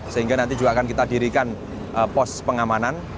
sehingga nanti juga akan kita dirikan pos pengamanan